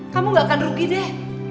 kamu gak akan rugi deh